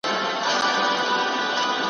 ما هم لرله په زړه کي مینه ,